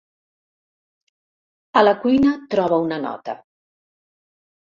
A la cuina troba una nota.